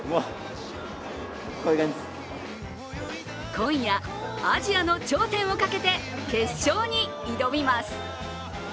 今夜、アジアの頂点をかけて決勝に挑みます。